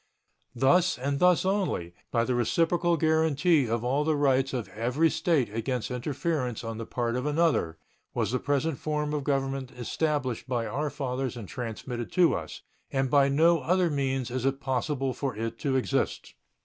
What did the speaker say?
Thus and thus only, by the reciprocal guaranty of all the rights of every State against interference on the part of another, was the present form of government established by our fathers and transmitted to us, and by no other means is it possible for it to exist.